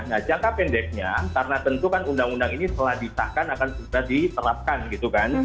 nah jangka pendeknya karena tentukan undang undang ini setelah disahkan akan sudah diserapkan gitu kan